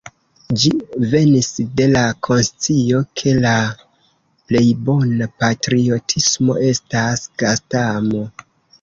Ĝi venis de la konscio, ke la plej bona patriotismo estas gastamo!